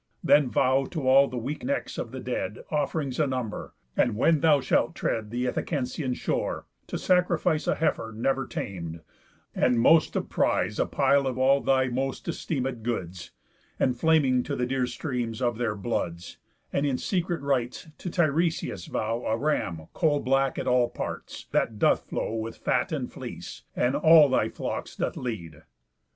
Then vow to all the weak necks of the dead Off'rings a number; and, when thou shalt tread The Ithacensian shore, to sacrifice A heifer never tam'd, and most of prize, A pile of all thy most esteeméd goods Enflaming to the dear streams of their bloods; And, in secret rites, to Tiresias vow A ram coal black at all parts, that doth flow With fat and fleece, and all thy flocks doth lead.